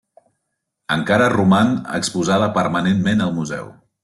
Encara roman exposada permanentment al museu.